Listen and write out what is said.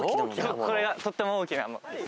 これがとっても大きなもの。